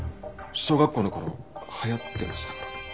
小学校の頃流行ってましたから。